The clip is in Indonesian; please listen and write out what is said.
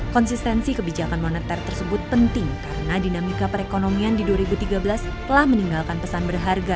konsistensi kebijakan moneter tersebut penting karena dinamika perekonomian di dua ribu tiga belas telah meninggalkan pesan berharga